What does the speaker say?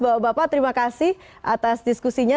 bapak bapak terima kasih atas diskusinya